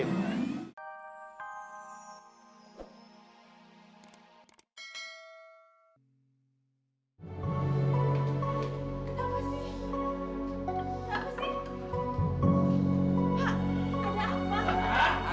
pak ada apa